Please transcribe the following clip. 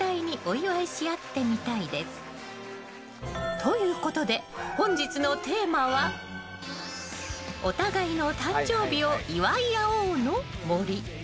ということで、本日のテーマはお互いの誕生日を祝い合おうの森。